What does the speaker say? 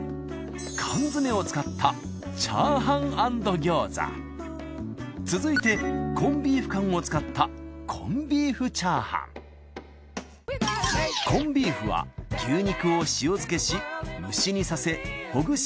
缶詰を使った続いてコンビーフ缶を使ったコンビーフは牛肉を塩漬けし蒸し煮させほぐし